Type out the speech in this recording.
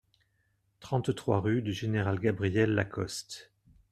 trente-trois rue du Général Gabriel Lacoste